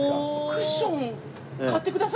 クッション買ってくださるんですか？